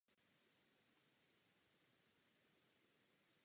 Tím druhým jsou Západní Tatry.